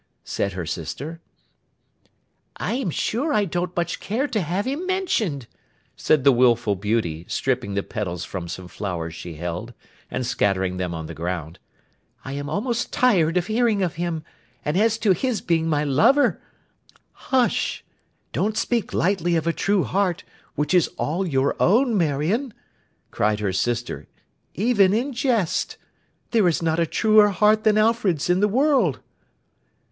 said her sister. 'I am sure I don't much care to have him mentioned,' said the wilful beauty, stripping the petals from some flowers she held, and scattering them on the ground. 'I am almost tired of hearing of him; and as to his being my lover—' 'Hush! Don't speak lightly of a true heart, which is all your own, Marion,' cried her sister, 'even in jest. There is not a truer heart than Alfred's in the world!